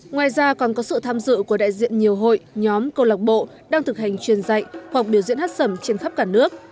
ngoài ra còn có sự tham dự của đại diện nhiều hội nhóm câu lạc bộ đang thực hành truyền dạy hoặc biểu diễn hát sẩm trên khắp cả nước